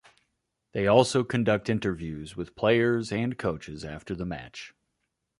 They also conduct interviews with players and coaches after the match.